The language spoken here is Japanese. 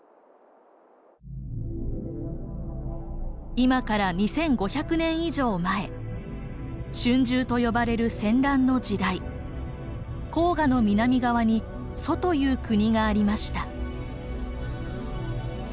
今から２，５００年以上前春秋と呼ばれる戦乱の時代黄河の南側に「楚」という国がありました。